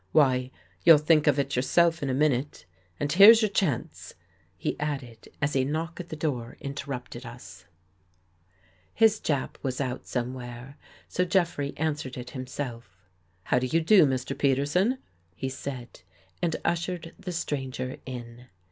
Why, you'll think of it yourself in a min ute. And here's your chance !" he added, as a knock at the door interrupted us. 19 THE GHOST GIRL His Jap was out somewhere, so Jeffrey answered it himself. " How do you do, Mr. Peterson," he said, and ushered the stranger in.